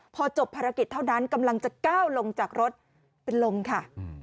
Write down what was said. พอจบภารกิจเท่านั้นกำลังจะก้าวลงจากรถเป็นลมค่ะ